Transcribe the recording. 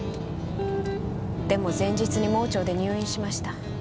でも前日に盲腸で入院しました。